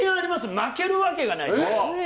負けるわけがない。